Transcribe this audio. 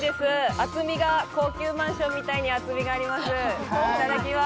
厚みが高級マンションみたいに厚みがあります。